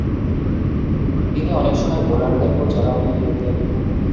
তিনি অনেক সময় বোলারদের উপর চড়াও হয়ে খেলতেন।